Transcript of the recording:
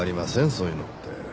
そういうのって。